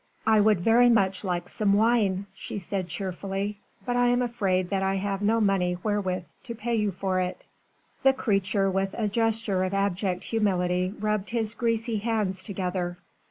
"I would very much like some wine," she said cheerfully, "but I am afraid that I have no money wherewith to pay you for it." The creature with a gesture of abject humility rubbed his greasy hands together.